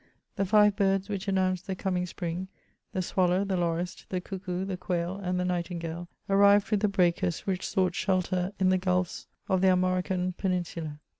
The five birds which announce the coming spring — the swallow, the lorist, the cuckoo, the quail and the night ingale arrived with the breakers which sought shelter in the gulphs of the Armoricaine Peninsula.